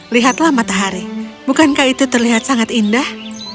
lihatlah matahari bukankah itu terlihat sangat indah